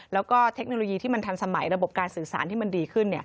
แล้วก็เทคโนโลยีที่มันทันสมัยระบบการสื่อสารที่มันดีขึ้น